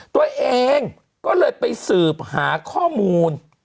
ตัวเองก็เลยไปสืบหาข้อมูล